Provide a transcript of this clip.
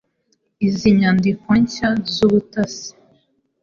Izi nyandiko nshya z'ubutasi